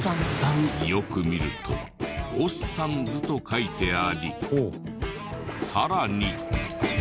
よく見ると「ＯＳＳＡＮＳ」と書いてありさらに。